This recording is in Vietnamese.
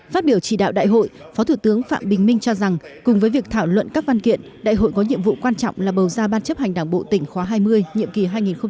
phát biểu chỉ đạo đại hội phó thủ tướng phạm bình minh cho rằng cùng với việc thảo luận các văn kiện đại hội có nhiệm vụ quan trọng là bầu ra ban chấp hành đảng bộ tỉnh khóa hai mươi nhiệm kỳ hai nghìn hai mươi hai nghìn hai mươi năm